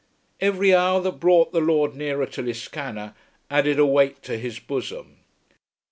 Every hour that brought the lord nearer to Liscannor added a weight to his bosom.